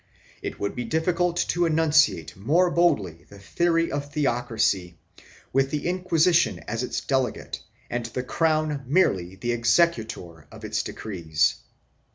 1 It would be difficult to enunciate more boldly the theory of theocracy, with the Inquisition as its delegate and the crown merely the executor of its decrees.